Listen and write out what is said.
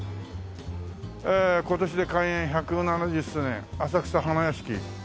「今年で開園１７０周年！浅草花やしき」。